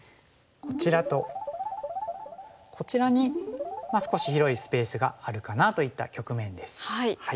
こちらとこちらに少し広いスペースがあるかなといった局面です。